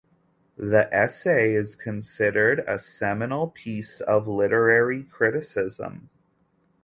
The essay is considered a seminal piece of literary criticism.